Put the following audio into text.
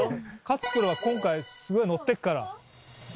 勝プロは今回すごいノッてっから。